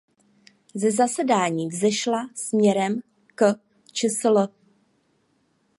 Ze zasedání vzešla směrem k čsl.